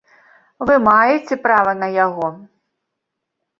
Вы маеце права на яго.